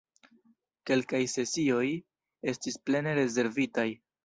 Kelkaj sesioj estis plene rezervitaj!